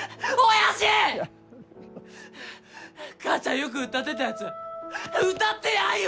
母ちゃんよく歌ってたやつ歌ってやんよ！